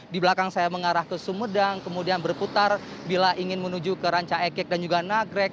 di belakang saya mengarah ke sumedang kemudian berputar bila ingin menuju ke ranca ekek dan juga nagrek